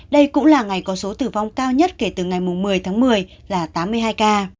đây cũng là ngày có số tử vong cao nhất kể từ ngày một mươi tháng một mươi là tám mươi hai ca